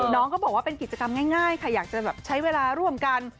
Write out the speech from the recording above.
น้องเขาบอกว่าเป็นกิจกรรมง่ายค่ะอยากจะแบบใช้เวลาร่วมกัน